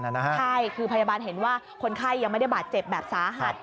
ใช่คือพยาบาลเห็นว่าคนไข้ยังไม่ได้บาดเจ็บแบบสาหัส